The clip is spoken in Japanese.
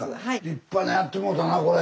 立派なんやってもろたなこれ。